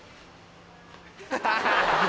ハハハハハ。